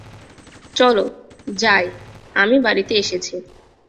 চল যাই আমি বাড়িতে এসেছি!